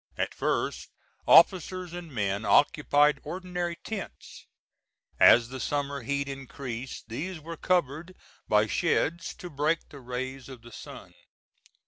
At first, officers and men occupied ordinary tents. As the summer heat increased these were covered by sheds to break the rays of the sun.